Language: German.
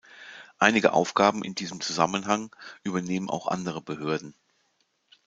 Einige Aufgaben in diesem Zusammenhang übernehmen auch andere Behörden.